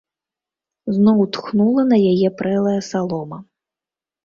Зноў тхнула на яе прэлая салома.